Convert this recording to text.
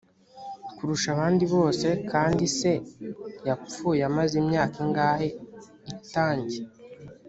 kurusha abandi bose kandi se yapfuye amaze imyaka ingahe itang